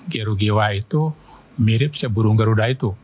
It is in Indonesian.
gerugiwa itu mirip seburung geruda itu